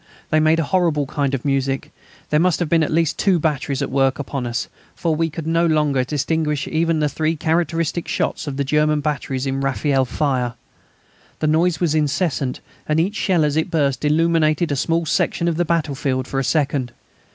They made a horrible kind of music. There must have been at least two batteries at work upon us, for we could no longer distinguish even the three characteristic shots of the German batteries in rafale fire. The noise was incessant, and each shell as it burst illumined a small section of the battlefield for a second.